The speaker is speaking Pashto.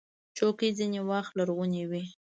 چوکۍ ځینې وخت لرغونې وي.